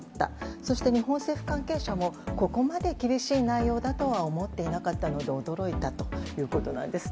そして、日本政府関係者もここまで厳しい内容だとは思っていなかったので驚いたということなんです。